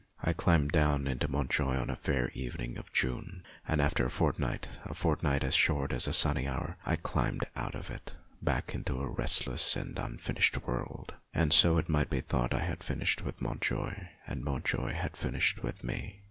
I climbed down into Montjoie on a fair evening of June, and after a fortnight a fortnight as short as a sunny hour I climbed out of it back into a restless and unfinished world ; and so it might be thought I had finished with Montjoie and Montjoie had finished with me.